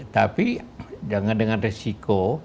tapi jangan dengan resiko